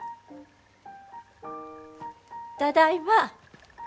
ただいま。